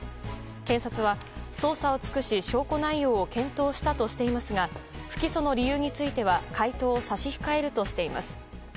検察は、捜査を尽くし証拠内容を検討したとしていますが不起訴の理由については回答を差し控えるとしています。